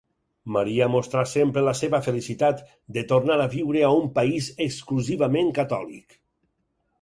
Maria mostrà sempre la seva felicitat de tornar a viure a un país exclusivament catòlic.